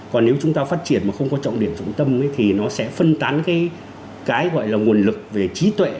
còn nếu chúng ta phát triển mà không có trọng điểm trọng tâm thì nó sẽ phân tán cái gọi là nguồn lực về trí tuệ